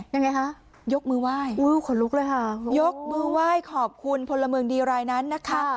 ยังไงคะยกมือไหว้อุ้ยขนลุกเลยค่ะยกมือไหว้ขอบคุณพลเมืองดีรายนั้นนะคะ